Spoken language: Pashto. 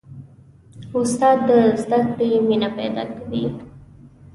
استاد د زده کړې مینه پیدا کوي.